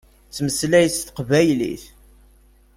Tettmeslay s teqbaylit.